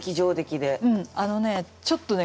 あのねちょっとね